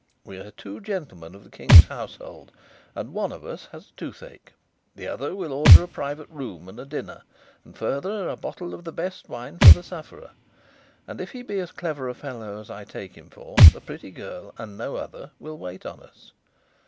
We're two gentlemen of the King's household, and one of us has a toothache. The other will order a private room and dinner, and, further, a bottle of the best wine for the sufferer. And if he be as clever a fellow as I take him for, the pretty girl and no other will wait on us."